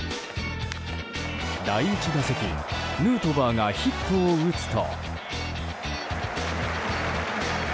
第１打席、ヌートバーがヒットを打つと。